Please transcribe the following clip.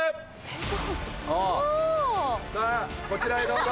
さぁこちらへどうぞ。